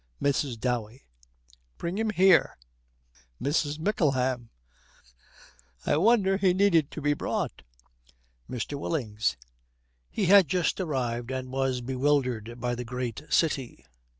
MRS. DOWEY. 'Bring him here!' MRS. MICKLEHAM. 'I wonder he needed to be brought.' MR. WILLINGS. 'He had just arrived, and was bewildered by the great city.